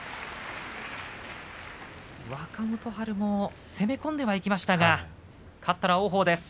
若元春も攻め込んではいきましたが勝ったのは王鵬です。